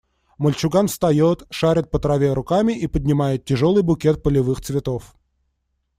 Мальчуган встает, шарит по траве руками и поднимает тяжелый букет полевых цветов.